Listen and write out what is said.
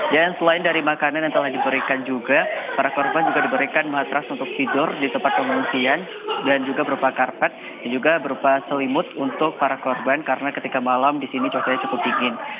dan selain dari makanan yang telah diberikan juga para korban juga diberikan matras untuk tidur di tempat pengungsian dan juga berupa karpet dan juga berupa selimut untuk para korban karena ketika malam disini cuacanya cukup dingin